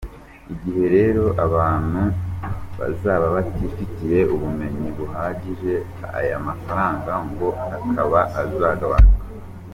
Igihe rero abantu bazaba babifitiye ubumenyi buhagije, aya mafaranga ngo akaba azagabanuka.